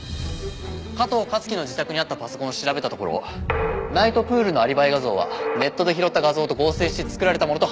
加藤香月の自宅にあったパソコンを調べたところナイトプールのアリバイ画像はネットで拾った画像と合成して作られたものと判明しました。